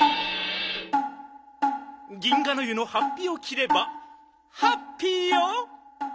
銀河ノ湯のはっぴをきればハッピーよ！